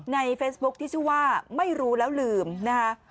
เฟซบุ๊คที่ชื่อว่าไม่รู้แล้วลืมนะคะ